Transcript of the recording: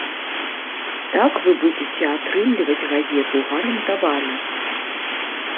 Так вы будзеце атрымліваць газету гарантавана.